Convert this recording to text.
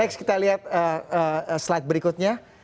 next kita lihat slide berikutnya